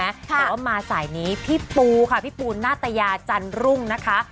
แต่ว่ามาสายนี้พี่ปูค่ะพี่ปูนาตยาจันรุ่งนะคะ